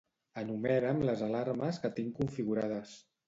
Enumera'm les alarmes que tinc configurades.